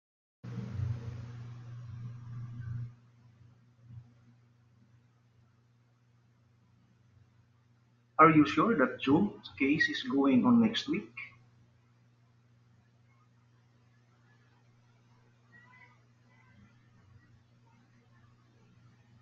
Are you sure that Joe case is going on next week?